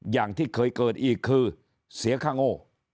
อย่างที่เคยเกิดอีกคือเสียค่าโง่